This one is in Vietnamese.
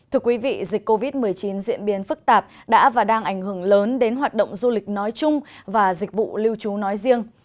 thưa quý vị dịch covid một mươi chín diễn biến phức tạp đã và đang ảnh hưởng lớn đến hoạt động du lịch nói chung và dịch vụ lưu trú nói riêng